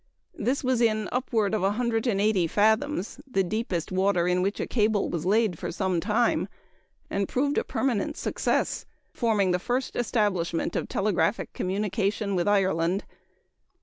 This was in upward of 180 fathoms the deepest water in which a cable was laid for some time and proved a permanent success, forming the first establishment of telegraphic communication with Ireland.